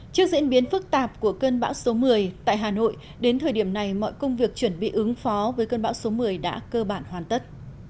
trước diễn biến phức tạp của cơn bão số một mươi tại hà nội đến thời điểm này mọi công việc chuẩn bị ứng phó với cơn bão số một mươi đã cơ bản hoàn tất